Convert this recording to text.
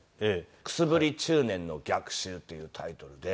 『くすぶり中年の逆襲』っていうタイトルで。